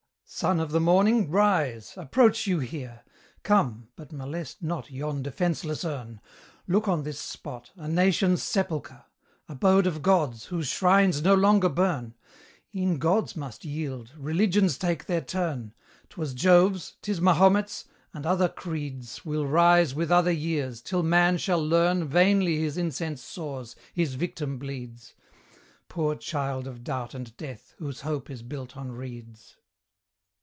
Son of the morning, rise! approach you here! Come but molest not yon defenceless urn! Look on this spot a nation's sepulchre! Abode of gods, whose shrines no longer burn. E'en gods must yield religions take their turn: 'Twas Jove's 'tis Mahomet's; and other creeds Will rise with other years, till man shall learn Vainly his incense soars, his victim bleeds; Poor child of Doubt and Death, whose hope is built on reeds.